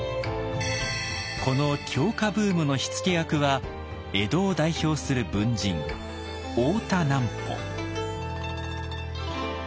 この「狂歌」ブームの火付け役は江戸を代表する文人大田南畝。